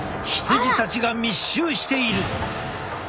羊たちが密集している。